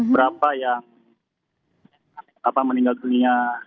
berapa yang meninggal dunia di rumah sakit